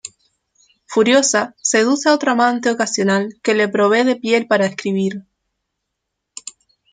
Furiosa, seduce a otro amante ocasional que le provee de piel para escribir.